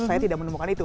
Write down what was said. saya tidak menemukan itu